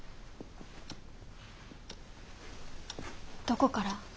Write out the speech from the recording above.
どこから？